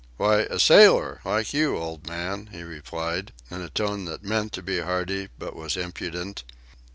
"Why, a sailor like you, old man," he replied, in a tone that meant to be hearty but was impudent.